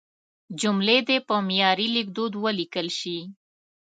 جملې دې په معیاري لیکدود ولیکل شي.